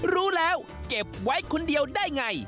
รู้แล้วเก็บไว้คนเดียวได้ไง